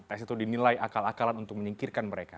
tes itu dinilai akal akalan untuk menyingkirkan mereka